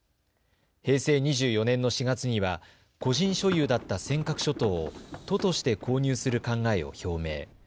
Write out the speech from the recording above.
平成２４年の４月には個人所有だった尖閣諸島を都として購入する考えを表明。